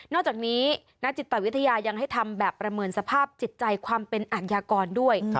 จากนี้นักจิตวิทยายังให้ทำแบบประเมินสภาพจิตใจความเป็นอัญญากรด้วย